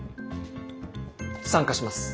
参加します。